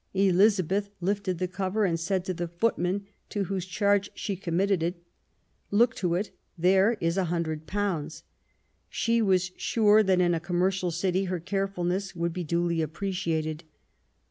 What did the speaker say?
Elizabeth lifted the cover, and said to the footmen to whose charge she committed it :" Look to it : there is a hundred pounds *'. She was sure that in a commercial city her carefulness would be duly appreciated.